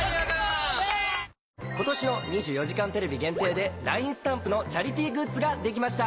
今年の『２４時間テレビ』限定でＬＩＮＥスタンプのチャリティーグッズができました。